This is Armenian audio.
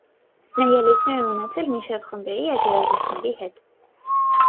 Նա ելույթներ է ունեցել մի շարք խմբերի ու երաժիշտների հետ։